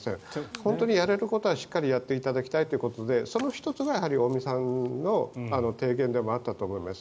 本当にやれることはしっかりやっていただきたいということでその１つが尾身さんの提言でもあったと思います。